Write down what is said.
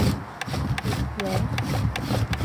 رښتیا.